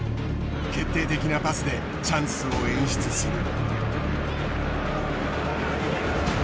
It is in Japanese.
決定的なパスでチャンスを演出する。